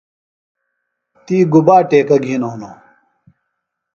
تی گُبا ٹیکہ گِھینوۡ ہِنوۡ؟